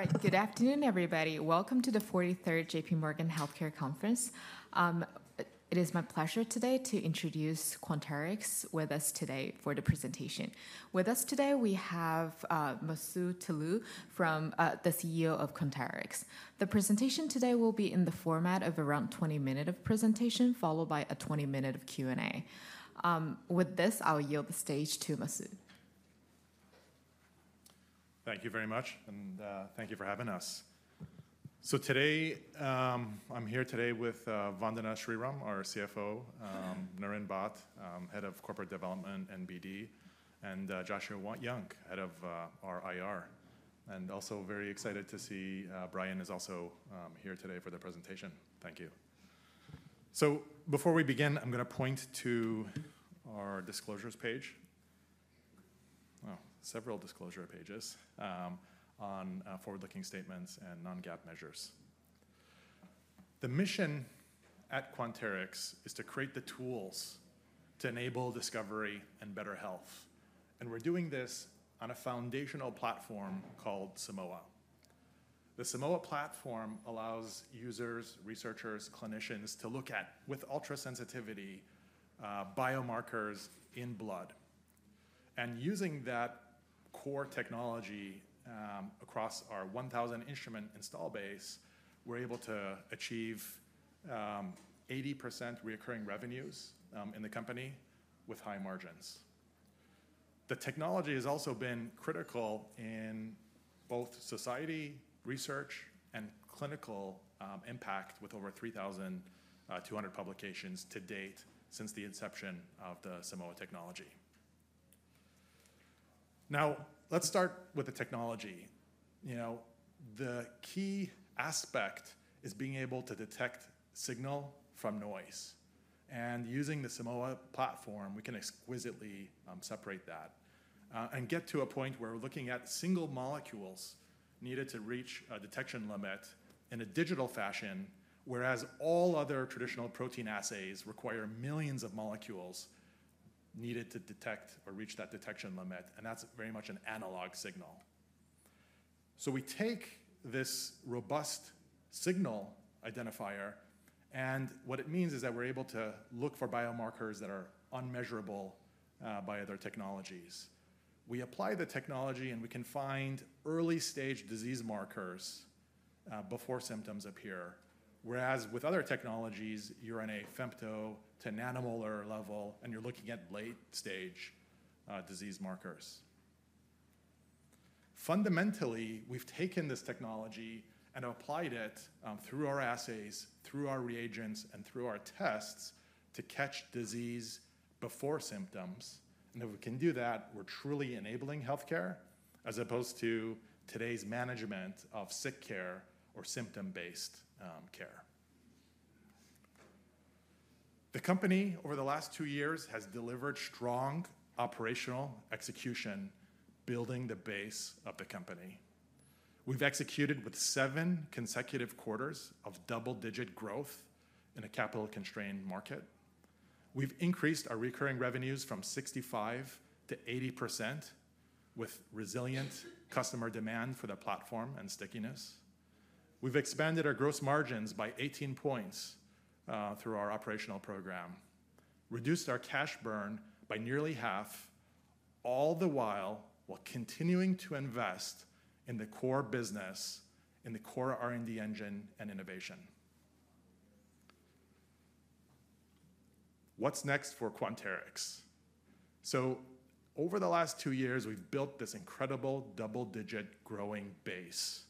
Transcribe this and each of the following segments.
All right, good afternoon, everybody. Welcome to the 43rd JPMorgan Healthcare Conference. It is my pleasure today to introduce Quanterix with us today for the presentation. With us today, we have Masoud Toloue, the CEO of Quanterix. The presentation today will be in the format of around a 20-minute presentation, followed by a 20-minute Q&A. With this, I'll yield the stage to Masoud. Thank you very much, and thank you for having us. So today, I'm here today with Vandana Sriram, our CFO; Niren Bhatt, Head of Corporate Development, NBD; and Joshua Young, Head of our IR. And also very excited to see Brian is also here today for the presentation. Thank you. So before we begin, I'm going to point to our disclosures page, several disclosure pages on forward-looking statements and non-GAAP measures. The mission at Quanterix is to create the tools to enable discovery and better health. And we're doing this on a foundational platform called Simoa. The Simoa platform allows users, researchers, clinicians to look at, with ultra-sensitivity, biomarkers in blood. And using that core technology across our 1,000-instrument install base, we're able to achieve 80% recurring revenues in the company with high margins. The technology has also been critical in both society, research, and clinical impact with over 3,200 publications to date since the inception of the Simoa technology. Now, let's start with the technology. The key aspect is being able to detect signal from noise, and using the Simoa platform, we can exquisitely separate that and get to a point where we're looking at single molecules needed to reach a detection limit in a digital fashion, whereas all other traditional protein assays require millions of molecules needed to detect or reach that detection limit, and that's very much an analog signal, so we take this robust signal identifier, and what it means is that we're able to look for biomarkers that are unmeasurable by other technologies. We apply the technology, and we can find early-stage disease markers before symptoms appear, whereas with other technologies, you're on a femto to nanomolar level, and you're looking at late-stage disease markers. Fundamentally, we've taken this technology and applied it through our assays, through our reagents, and through our tests to catch disease before symptoms. And if we can do that, we're truly enabling healthcare as opposed to today's management of sick care or symptom-based care. The company, over the last two years, has delivered strong operational execution, building the base of the company. We've executed with seven consecutive quarters of double-digit growth in a capital-constrained market. We've increased our recurring revenues from 65%-80% with resilient customer demand for the platform and stickiness. We've expanded our gross margins by 18 points through our operational program, reduced our cash burn by nearly half, all the while continuing to invest in the core business, in the core R&D engine, and innovation. What's next for Quanterix? So over the last two years, we've built this incredible double-digit growing base.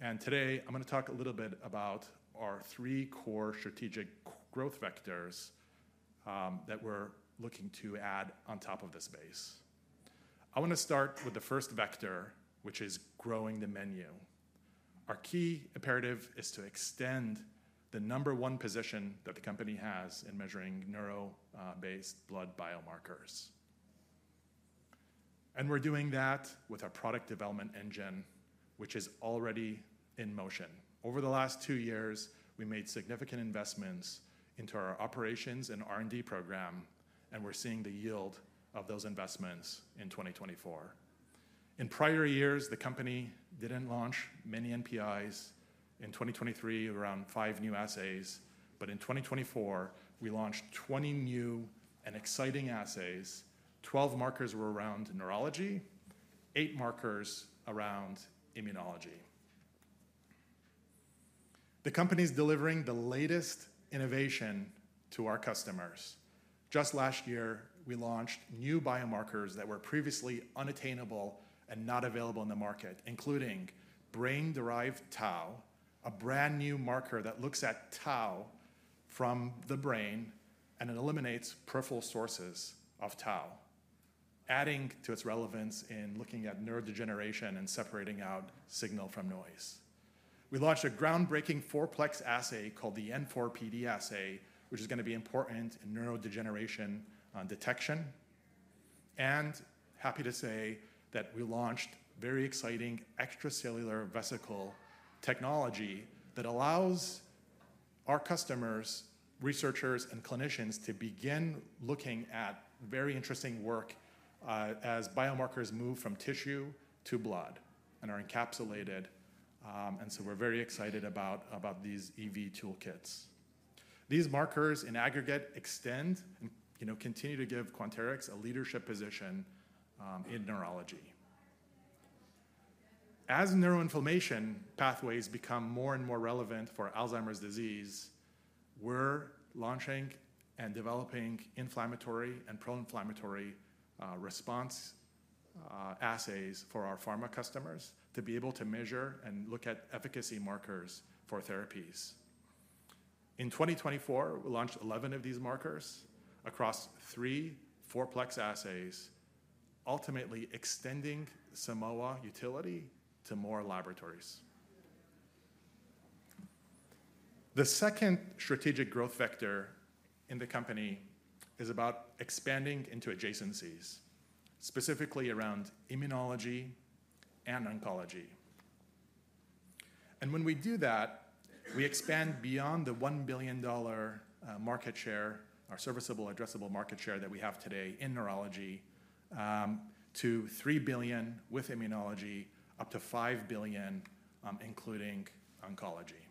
And today, I'm going to talk a little bit about our three core strategic growth vectors that we're looking to add on top of this base. I want to start with the first vector, which is growing the menu. Our key imperative is to extend the number one position that the company has in measuring neuro-based blood biomarkers. And we're doing that with our product development engine, which is already in motion. Over the last two years, we made significant investments into our operations and R&D program, and we're seeing the yield of those investments in 2024. In prior years, the company didn't launch many NPIs. In 2023, around five new assays. But in 2024, we launched 20 new and exciting assays. 12 markers were around neurology, 8 markers around immunology. The company is delivering the latest innovation to our customers. Just last year, we launched new biomarkers that were previously unattainable and not available in the market, including brain-derived tau, a brand new marker that looks at tau from the brain and eliminates peripheral sources of tau, adding to its relevance in looking at neurodegeneration and separating out signal from noise. We launched a groundbreaking four-plex assay called the N4PD assay, which is going to be important in neurodegeneration detection. And happy to say that we launched very exciting extracellular vesicle technology that allows our customers, researchers, and clinicians to begin looking at very interesting work as biomarkers move from tissue to blood and are encapsulated. And so we're very excited about these EV toolkits. These markers in aggregate extend and continue to give Quanterix a leadership position in neurology. As neuroinflammation pathways become more and more relevant for Alzheimer's disease, we're launching and developing inflammatory and pro-inflammatory response assays for our pharma customers to be able to measure and look at efficacy markers for therapies. In 2024, we launched 11 of these markers across three four-plex assays, ultimately extending Simoa utility to more laboratories. The second strategic growth vector in the company is about expanding into adjacencies, specifically around immunology and oncology. When we do that, we expand beyond the $1 billion market share, our serviceable, addressable market share that we have today in neurology, to $3 billion with immunology, up to $5 billion, including oncology.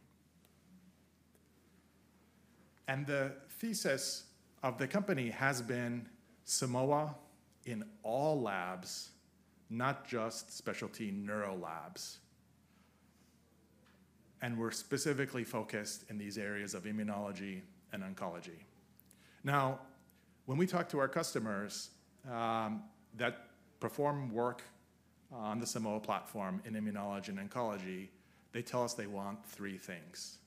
The thesis of the company has been Simoa in all labs, not just specialty neuro labs. We're specifically focused in these areas of immunology and oncology. Now, when we talk to our customers that perform work on the Simoa platform in immunology and oncology, they tell us they want three things.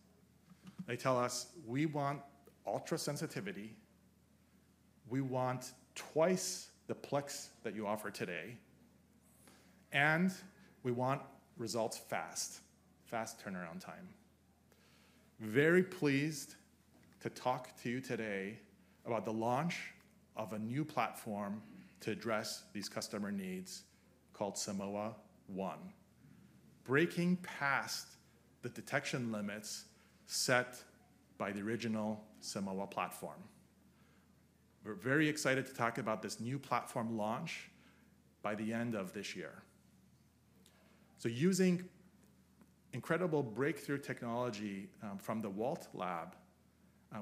They tell us, "We want ultra-sensitivity. We want twice the plex that you offer today. And we want results fast, fast turnaround time." Very pleased to talk to you today about the launch of a new platform to address these customer needs called Simoa One, breaking past the detection limits set by the original Simoa platform. We're very excited to talk about this new platform launch by the end of this year. So using incredible breakthrough technology from the Walt lab,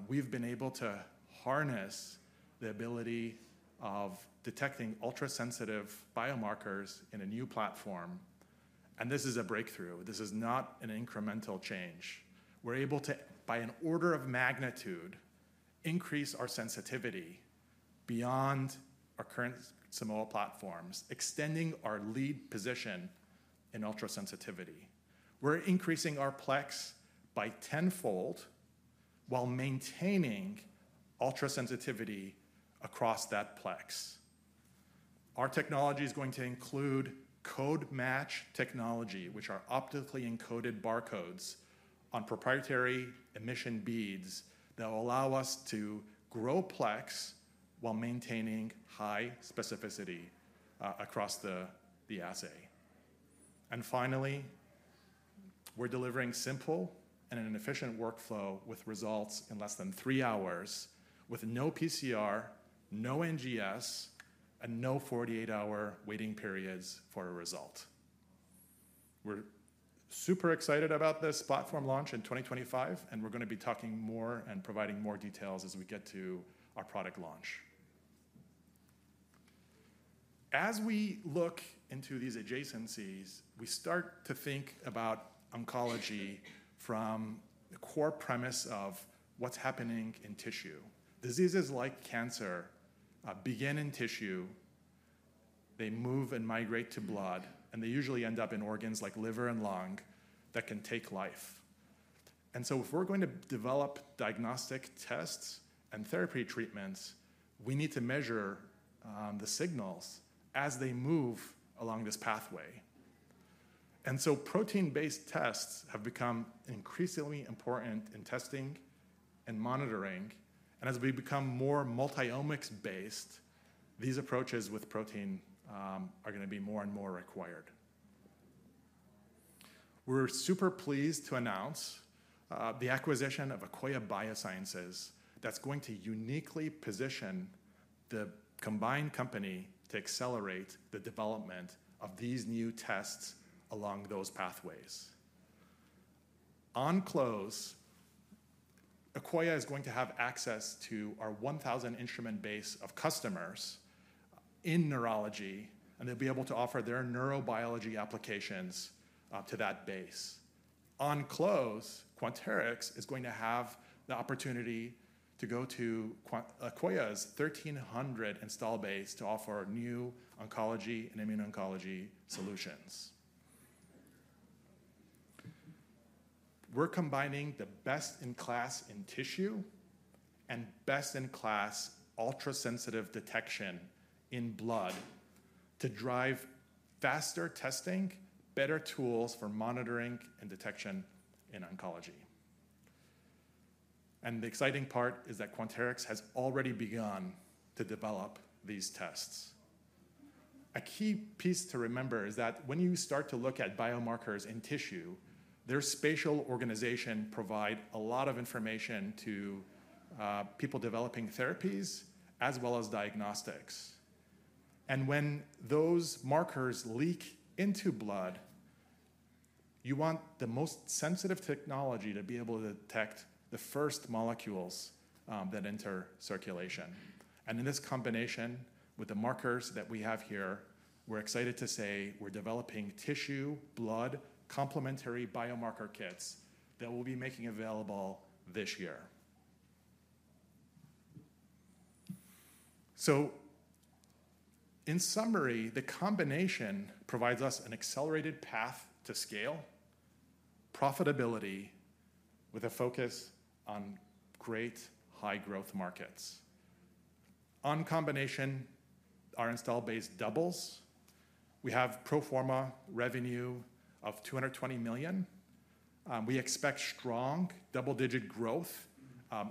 we've been able to harness the ability of detecting ultra-sensitive biomarkers in a new platform. And this is a breakthrough. This is not an incremental change. We're able to, by an order of magnitude, increase our sensitivity beyond our current Simoa platforms, extending our lead position in ultra-sensitivity. We're increasing our plex by tenfold while maintaining ultra-sensitivity across that plex. Our technology is going to include code-match technology, which are optically encoded barcodes on proprietary emission beads that will allow us to grow plex while maintaining high specificity across the assay. And finally, we're delivering simple and an efficient workflow with results in less than three hours, with no PCR, no NGS, and no 48-hour waiting periods for a result. We're super excited about this platform launch in 2025, and we're going to be talking more and providing more details as we get to our product launch. As we look into these adjacencies, we start to think about oncology from the core premise of what's happening in tissue. Diseases like cancer begin in tissue. They move and migrate to blood, and they usually end up in organs like liver and lung that can take life, and so if we're going to develop diagnostic tests and therapy treatments, we need to measure the signals as they move along this pathway. And so protein-based tests have become increasingly important in testing and monitoring, and as we become more multi-omics-based, these approaches with protein are going to be more and more required. We're super pleased to announce the acquisition of Akoya Biosciences that's going to uniquely position the combined company to accelerate the development of these new tests along those pathways. On close, Akoya is going to have access to our 1,000-instrument base of customers in neurology, and they'll be able to offer their neurobiology applications to that base. On close, Quanterix is going to have the opportunity to go to Akoya's 1,300 installed base to offer new oncology and immuno-oncology solutions. We're combining the best-in-class in tissue and best-in-class ultra-sensitive detection in blood to drive faster testing, better tools for monitoring and detection in oncology. And the exciting part is that Quanterix has already begun to develop these tests. A key piece to remember is that when you start to look at biomarkers in tissue, their spatial organization provides a lot of information to people developing therapies as well as diagnostics. And when those markers leak into blood, you want the most sensitive technology to be able to detect the first molecules that enter circulation. And in this combination with the markers that we have here, we're excited to say we're developing tissue, blood, complementary biomarker kits that we'll be making available this year. So in summary, the combination provides us an accelerated path to scale, profitability with a focus on great high-growth markets. On combination, our install base doubles. We have pro forma revenue of $220 million. We expect strong double-digit growth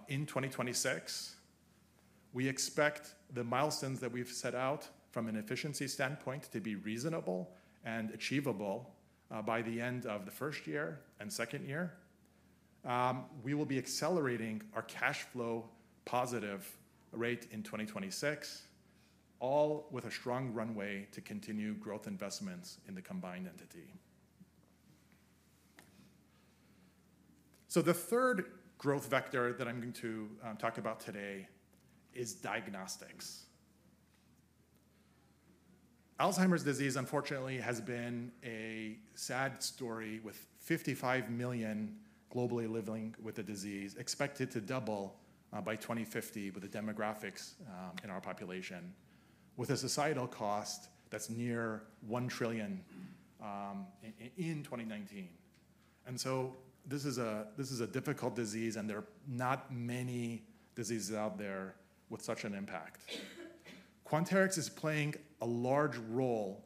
in 2026. We expect the milestones that we've set out from an efficiency standpoint to be reasonable and achievable by the end of the first year and second year. We will be accelerating our cash flow positive rate in 2026, all with a strong runway to continue growth investments in the combined entity. So the third growth vector that I'm going to talk about today is diagnostics. Alzheimer's disease, unfortunately, has been a sad story with 55 million globally living with a disease expected to double by 2050 with the demographics in our population, with a societal cost that's near $1 trillion in 2019. And so this is a difficult disease, and there are not many diseases out there with such an impact. Quanterix is playing a large role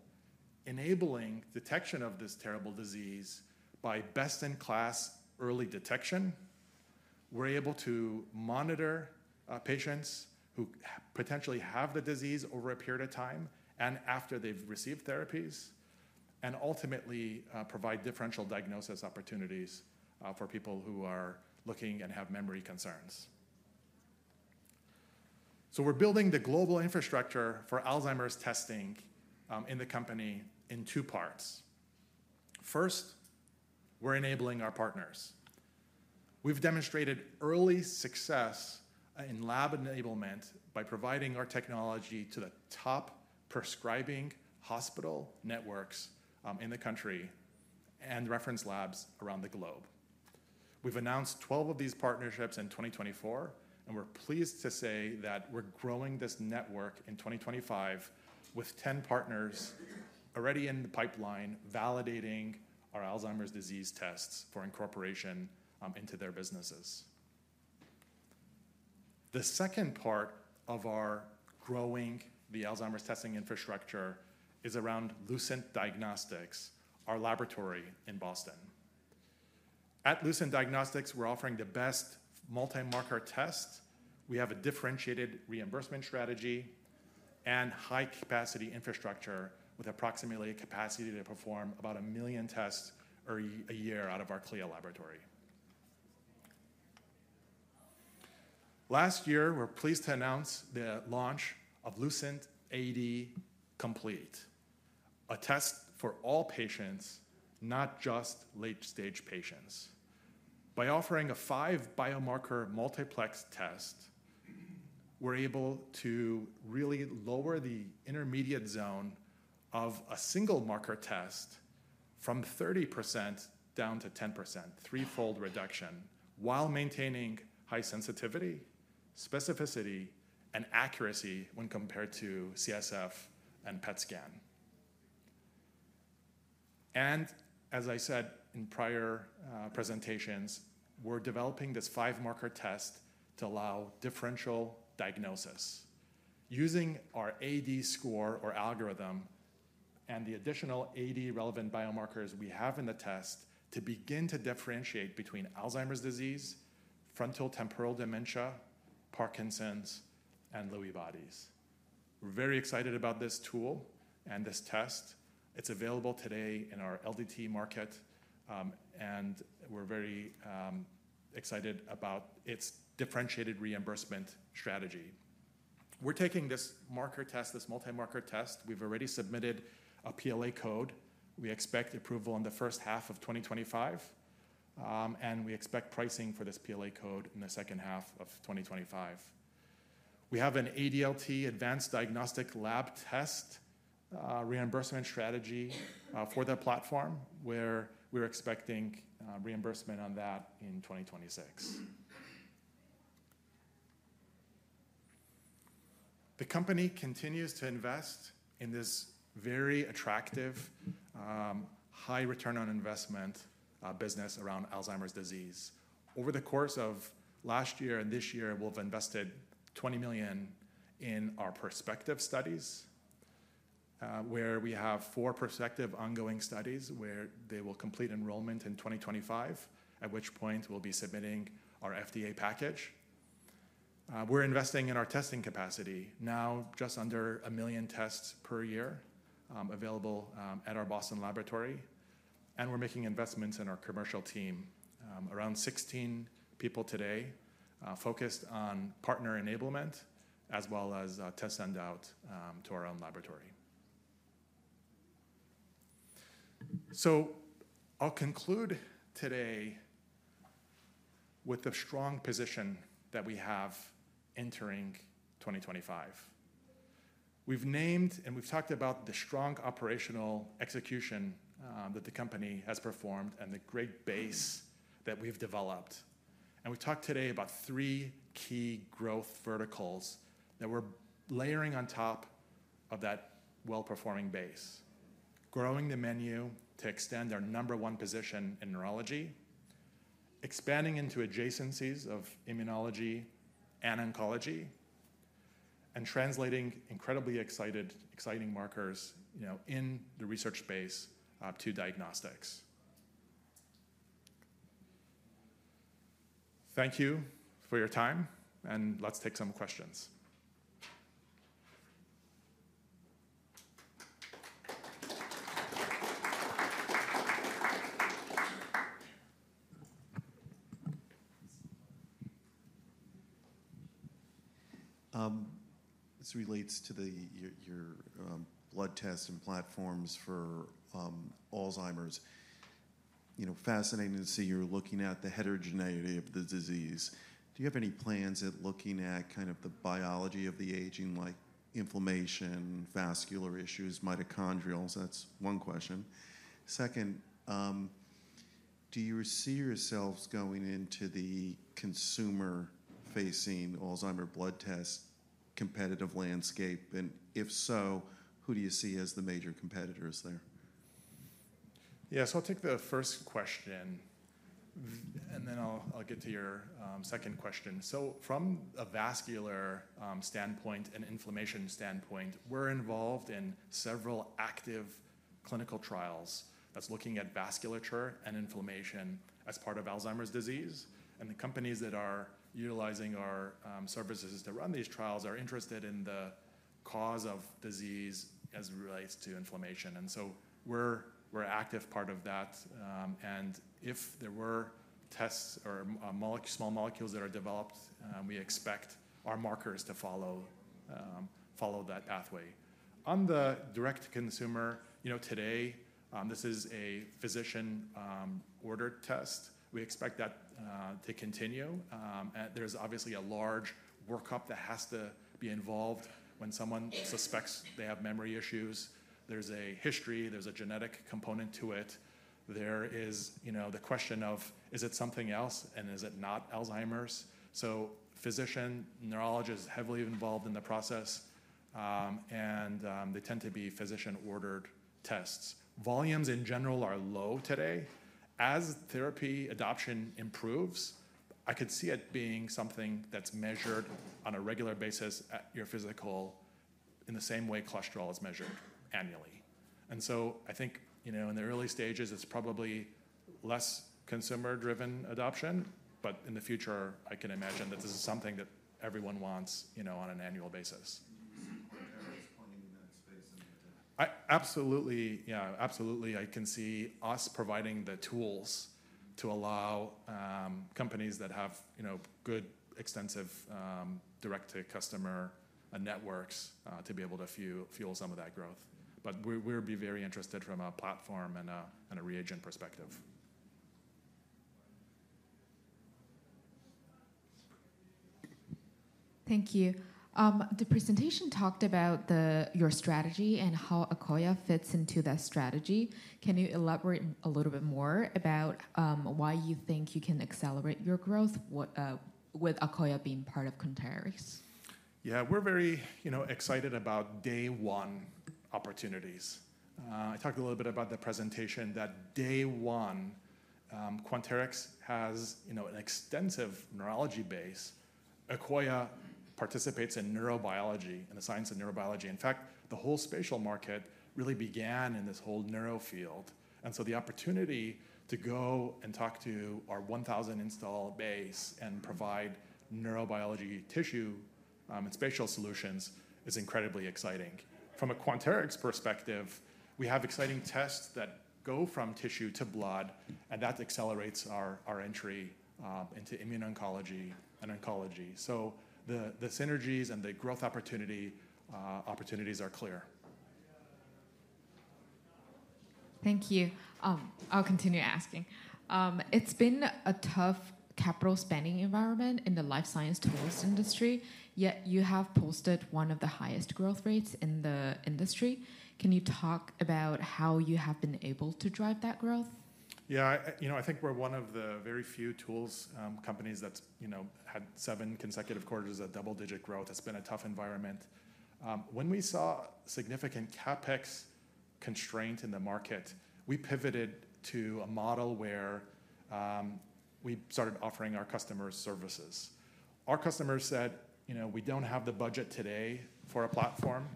in enabling detection of this terrible disease by best-in-class early detection. We're able to monitor patients who potentially have the disease over a period of time and after they've received therapies and ultimately provide differential diagnosis opportunities for people who are looking and have memory concerns. So we're building the global infrastructure for Alzheimer's testing in the company in two parts. First, we're enabling our partners. We've demonstrated early success in lab enablement by providing our technology to the top prescribing hospital networks in the country and reference labs around the globe. We've announced 12 of these partnerships in 2024, and we're pleased to say that we're growing this network in 2025 with 10 partners already in the pipeline validating our Alzheimer's disease tests for incorporation into their businesses. The second part of our growing the Alzheimer's testing infrastructure is around Lucent Diagnostics, our laboratory in Boston. At Lucent Diagnostics, we're offering the best multi-marker tests. We have a differentiated reimbursement strategy and high-capacity infrastructure with approximately a capacity to perform about a million tests a year out of our CLIA laboratory. Last year, we're pleased to announce the launch of Lucent AD Complete, a test for all patients, not just late-stage patients. By offering a five-biomarker multiplex test, we're able to really lower the intermediate zone of a single marker test from 30% down to 10%, threefold reduction, while maintaining high sensitivity, specificity, and accuracy when compared to CSF and PET scan, and as I said in prior presentations, we're developing this five-marker test to allow differential diagnosis using our AD Score or algorithm and the additional AD-relevant biomarkers we have in the test to begin to differentiate between Alzheimer's disease, frontotemporal dementia, Parkinson's, and Lewy bodies. We're very excited about this tool and this test. It's available today in our LDT market, and we're very excited about its differentiated reimbursement strategy. We're taking this marker test, this multi-marker test. We've already submitted a PLA code. We expect approval in the first half of 2025, and we expect pricing for this PLA code in the second half of 2025. We have an ADLT Advanced Diagnostic Laboratory Test reimbursement strategy for the platform where we're expecting reimbursement on that in 2026. The company continues to invest in this very attractive, high-return on investment business around Alzheimer's disease. Over the course of last year and this year, we've invested $20 million in our prospective studies, where we have four prospective ongoing studies where they will complete enrollment in 2025, at which point we'll be submitting our FDA package. We're investing in our testing capacity now, just under a million tests per year available at our Boston laboratory. And we're making investments in our commercial team, around 16 people today, focused on partner enablement as well as tests sent out to our own laboratory. So I'll conclude today with the strong position that we have entering 2025. We've named and we've talked about the strong operational execution that the company has performed and the great base that we've developed, and we've talked today about three key growth verticals that we're layering on top of that well-performing base, growing the menu to extend our number one position in neurology, expanding into adjacencies of immunology and oncology, and translating incredibly exciting markers in the research space to diagnostics. Thank you for your time, and let's take some questions. This relates to your blood test and platforms for Alzheimer's. Fascinating to see you're looking at the heterogeneity of the disease. Do you have any plans at looking at kind of the biology of the aging, like inflammation, vascular issues, mitochondrials? That's one question. Second, do you see yourselves going into the consumer-facing Alzheimer's blood test competitive landscape? And if so, who do you see as the major competitors there? Yeah, so I'll take the first question, and then I'll get to your second question. So from a vascular standpoint and inflammation standpoint, we're involved in several active clinical trials that's looking at vasculature and inflammation as part of Alzheimer's disease. And the companies that are utilizing our services to run these trials are interested in the cause of disease as it relates to inflammation. And so we're an active part of that. And if there were tests or small molecules that are developed, we expect our markers to follow that pathway. On the direct-to-consumer, today, this is a physician-ordered test. We expect that to continue. There's obviously a large workup that has to be involved when someone suspects they have memory issues. There's a history. There's a genetic component to it. There is the question of, is it something else, and is it not Alzheimer's? So physician, neurologist is heavily involved in the process, and they tend to be physician-ordered tests. Volumes in general are low today. As therapy adoption improves, I could see it being something that's measured on a regular basis at your physical in the same way cholesterol is measured annually. And so I think in the early stages, it's probably less consumer-driven adoption, but in the future, I can imagine that this is something that everyone wants on an annual basis. Quanterix pointing in that space. Absolutely, yeah. Absolutely. I can see us providing the tools to allow companies that have good, extensive direct-to-customer networks to be able to fuel some of that growth. But we would be very interested from a platform and a reagent perspective. Thank you. The presentation talked about your strategy and how Akoya fits into that strategy. Can you elaborate a little bit more about why you think you can accelerate your growth with Akoya being part of Quanterix? Yeah, we're very excited about day-one opportunities. I talked a little bit about the presentation. That day one, Quanterix has an extensive neurology base. Akoya participates in neurobiology and the science of neurobiology. In fact, the whole spatial market really began in this whole neuro field, and so the opportunity to go and talk to our 1,000-install base and provide neurobiology, tissue, and spatial solutions is incredibly exciting. From a Quanterix perspective, we have exciting tests that go from tissue to blood, and that accelerates our entry into immuno-oncology and oncology, so the synergies and the growth opportunities are clear. Thank you. I'll continue asking. It's been a tough capital-spending environment in the life science tools industry, yet you have posted one of the highest growth rates in the industry. Can you talk about how you have been able to drive that growth? Yeah, I think we're one of the very few tools companies that had seven consecutive quarters of double-digit growth. It's been a tough environment. When we saw significant CapEx constraints in the market, we pivoted to a model where we started offering our customers services. Our customers said, "We don't have the budget today for a platform,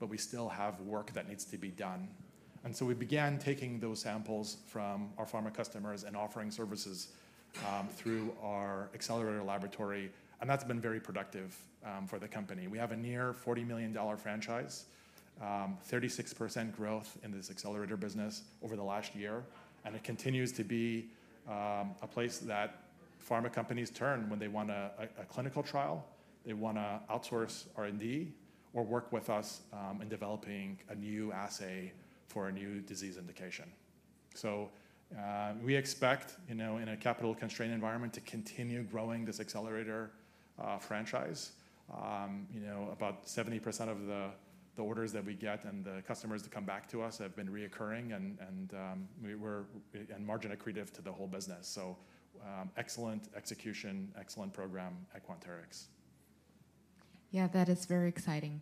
but we still have work that needs to be done." And so we began taking those samples from our pharma customers and offering services through our accelerator laboratory. And that's been very productive for the company. We have a near $40 million franchise, 36% growth in this accelerator business over the last year, and it continues to be a place that pharma companies turn when they want a clinical trial. They want to outsource R&D or work with us in developing a new assay for a new disease indication. So we expect, in a capital-constrained environment, to continue growing this accelerator franchise. About 70% of the orders that we get and the customers that come back to us have been recurring and margin accretive to the whole business. So excellent execution, excellent program at Quanterix. Yeah, that is very exciting.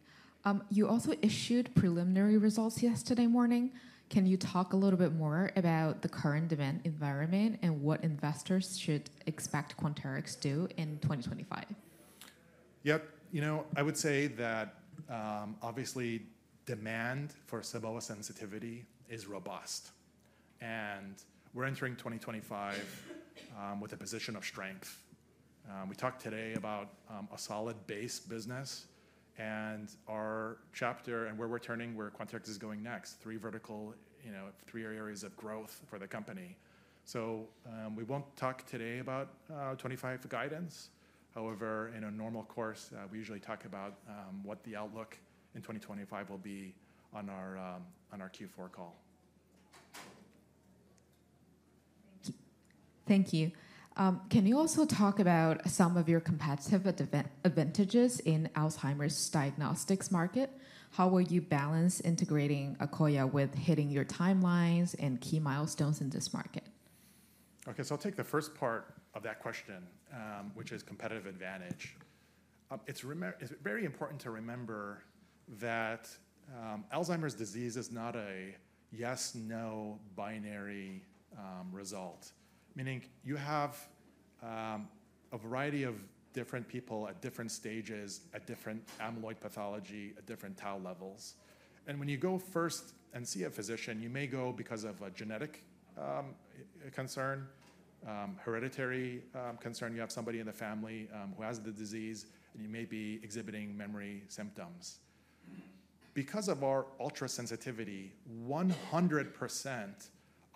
You also issued preliminary results yesterday morning. Can you talk a little bit more about the current demand environment and what investors should expect Quanterix to do in 2025? Yep. I would say that, obviously, demand for Simoa sensitivity is robust. We're entering 2025 with a position of strength. We talked today about a solid base business and our chapter and where we're turning, where Quanterix is going next, three vertical, three areas of growth for the company. We won't talk today about 2025 guidance. However, in a normal course, we usually talk about what the outlook in 2025 will be on our Q4 call. Thank you. Can you also talk about some of your competitive advantages in Alzheimer's diagnostics market? How will you balance integrating Akoya with hitting your timelines and key milestones in this market? Okay, I'll take the first part of that question, which is competitive advantage. It's very important to remember that Alzheimer's disease is not a yes/no binary result, meaning you have a variety of different people at different stages, at different amyloid pathology, at different tau levels. When you go first and see a physician, you may go because of a genetic concern, hereditary concern. You have somebody in the family who has the disease, and you may be exhibiting memory symptoms. Because of our ultra-sensitivity, 100%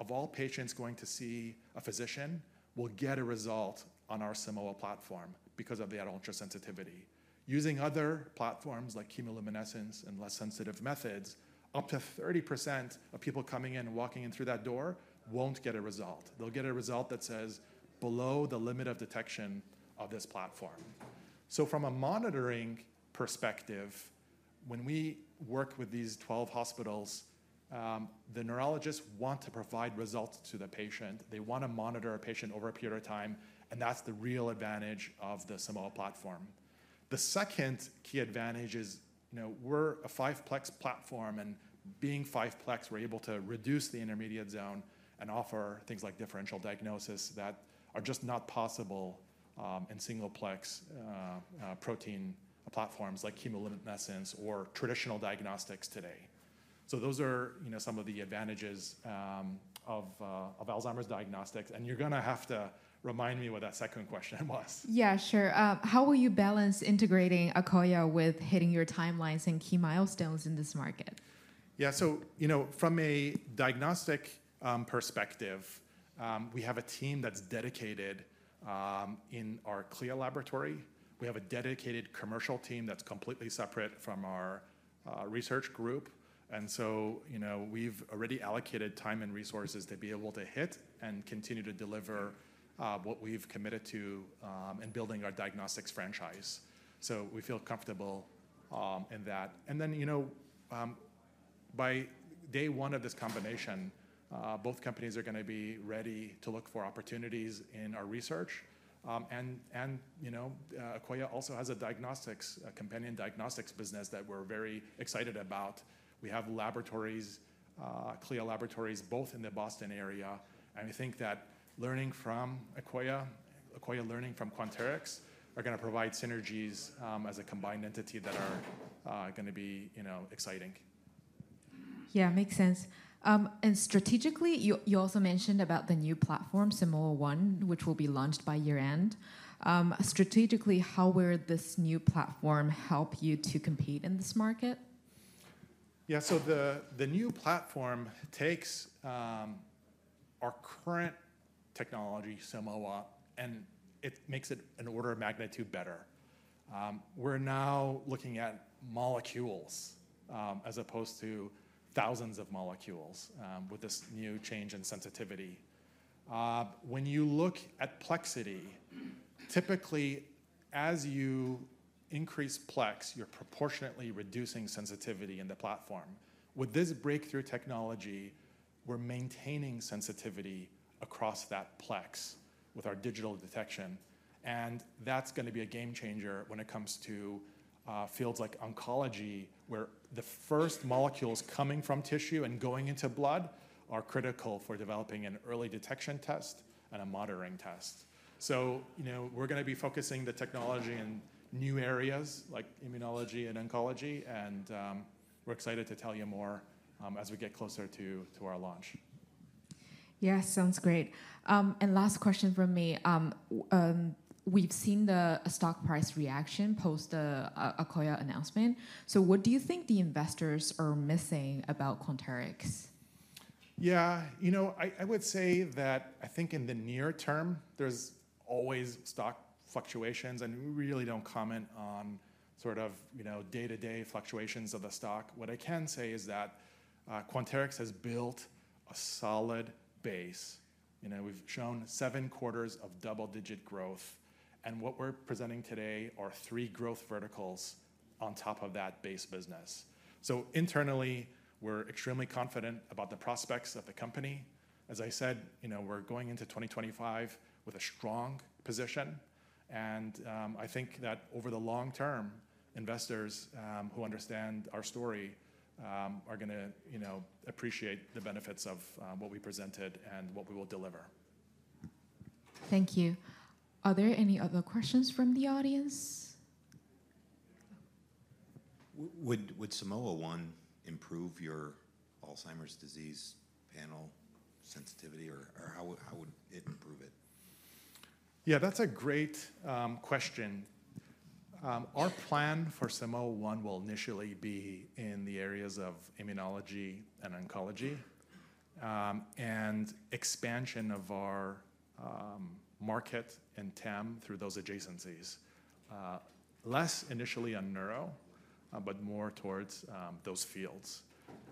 of all patients going to see a physician will get a result on our Simoa platform because of that ultra-sensitivity. Using other platforms like chemiluminescence and less sensitive methods, up to 30% of people coming in and walking in through that door won't get a result. They'll get a result that says below the limit of detection of this platform. So from a monitoring perspective, when we work with these 12 hospitals, the neurologists want to provide results to the patient. They want to monitor a patient over a period of time, and that's the real advantage of the Simoa platform. The second key advantage is we're a five-plex platform, and being five-plex, we're able to reduce the intermediate zone and offer things like differential diagnosis that are just not possible in single-plex protein platforms like chemiluminescence or traditional diagnostics today. So those are some of the advantages of Alzheimer's diagnostics. And you're going to have to remind me what that second question was. Yeah, sure. How will you balance integrating Akoya with hitting your timelines and key milestones in this market? Yeah, so from a diagnostic perspective, we have a team that's dedicated in our CLIA laboratory. We have a dedicated commercial team that's completely separate from our research group. And so we've already allocated time and resources to be able to hit and continue to deliver what we've committed to in building our diagnostics franchise. So we feel comfortable in that. And then by day one of this combination, both companies are going to be ready to look for opportunities in our research. And Akoya also has a companion diagnostics business that we're very excited about. We have laboratories, CLIA laboratories, both in the Boston area. And I think that learning from Akoya, Akoya learning from Quanterix, are going to provide synergies as a combined entity that are going to be exciting. Yeah, makes sense. And strategically, you also mentioned about the new platform, Simoa One, which will be launched by year-end. Strategically, how will this new platform help you to compete in this market? Yeah, so the new platform takes our current technology, Simoa, and it makes it an order of magnitude better. We're now looking at molecules as opposed to thousands of molecules with this new change in sensitivity. When you look at plexity, typically, as you increase plex, you're proportionately reducing sensitivity in the platform. With this breakthrough technology, we're maintaining sensitivity across that plex with our digital detection. And that's going to be a game changer when it comes to fields like oncology, where the first molecules coming from tissue and going into blood are critical for developing an early detection test and a monitoring test. So we're going to be focusing the technology in new areas like immunology and oncology. And we're excited to tell you more as we get closer to our launch. Yeah, sounds great. And last question from me. We've seen the stock price reaction post the Akoya announcement. So what do you think the investors are missing about Quanterix? Yeah, I would say that I think in the near term, there's always stock fluctuations, and we really don't comment on sort of day-to-day fluctuations of the stock. What I can say is that Quanterix has built a solid base. We've shown seven quarters of double-digit growth. And what we're presenting today are three growth verticals on top of that base business. So internally, we're extremely confident about the prospects of the company. As I said, we're going into 2025 with a strong position. And I think that over the long term, investors who understand our story are going to appreciate the benefits of what we presented and what we will deliver. Thank you. Are there any other questions from the audience? Would Simoa One improve your Alzheimer's disease panel sensitivity, or how would it improve it? Yeah, that's a great question. Our plan for Simoa One will initially be in the areas of immunology and oncology and expansion of our market and TAM through those adjacencies, less initially on neuro, but more towards those fields.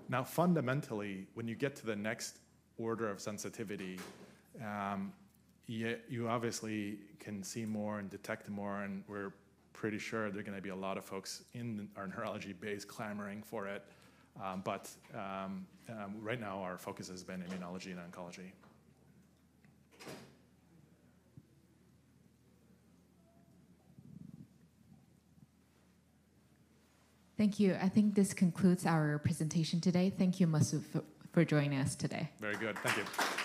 Now, fundamentally, when you get to the next order of sensitivity, you obviously can see more and detect more. And we're pretty sure there are going to be a lot of folks in our neurology base clamoring for it. But right now, our focus has been immunology and oncology. Thank you. I think this concludes our presentation today. Thank you, Masoud, for joining us today. Very good. Thank you.